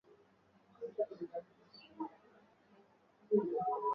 Viazi lishe hupunguza janga la njaa